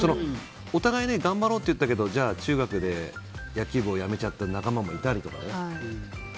お互い頑張ろうって言ったけど中学で野球部をやめた仲間もいたりとかね。